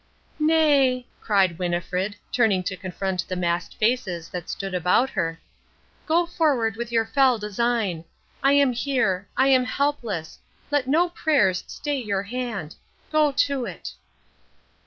"Nay," cried Winnifred, turning to confront the masked faces that stood about her, "go forward with your fell design. I am here. I am helpless. Let no prayers stay your hand. Go to it."